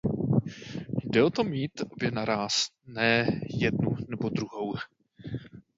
Jde o tom mít obě naráz, ne jednu nebo druhou.